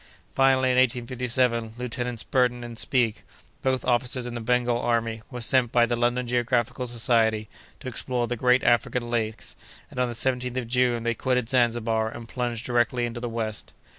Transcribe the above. Finally, in 1857, Lieutenants Burton and Speke, both officers in the Bengal army, were sent by the London Geographical Society to explore the great African lakes, and on the 17th of June they quitted Zanzibar, and plunged directly into the west.